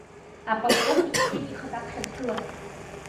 Аполковник иҿынеихеит аԥхьа дгылан.